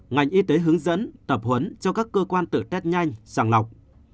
ngành y tế hướng dẫn tập huấn cho các cơ quan tự test nhanh sàng lọc